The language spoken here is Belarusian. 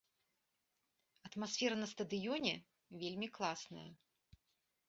Атмасфера на стадыёне вельмі класная.